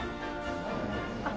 あっ